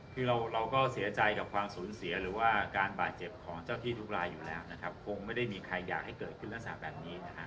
คือเราก็เสียใจกับความสูญเสียหรือว่าการบาดเจ็บของเจ้าที่ทุกรายอยู่แล้วนะครับคงไม่ได้มีใครอยากให้เกิดขึ้นลักษณะแบบนี้นะฮะ